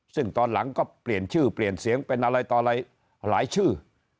ซึ่งตอนหลังก็เปลี่ยนชื่อเปลี่ยนเสียงเป็นอะไรต่อหลายชื่อ